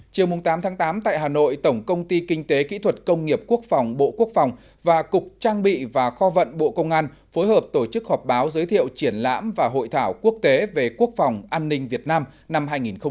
chiều tám tám tại hà nội tổng công ty kinh tế kỹ thuật công nghiệp quốc phòng bộ quốc phòng và cục trang bị và kho vận bộ công an phối hợp tổ chức họp báo giới thiệu triển lãm và hội thảo quốc tế về quốc phòng an ninh việt nam năm hai nghìn một mươi chín